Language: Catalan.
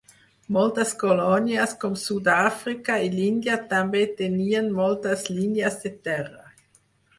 Moltes colònies com Sud-àfrica i l'Índia també tenien moltes línies de terra.